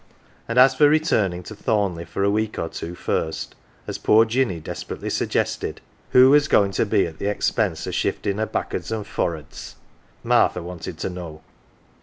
And as for returning to Thornleigh for a week or two first, as poor Jinny desperately suggested, who was goin 1 to be at th 1 expense o" shiftin' her backwards and forwards? Martha wanted to know.